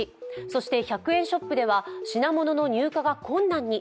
そして１００円ショップでは品物の入荷が困難に。